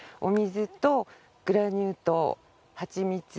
お水とグラニュー糖ハチミツ